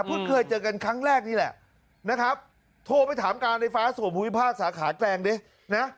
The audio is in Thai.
เคยเจอกันครั้งแรกนี่แหละนะครับโทรไปถามการไฟฟ้าส่วนภูมิภาคสาขาแกลงดินะ